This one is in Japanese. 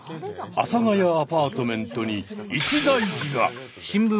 阿佐ヶ谷アパートメントに一大事が！